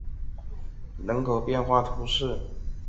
科尼河畔丰特奈人口变化图示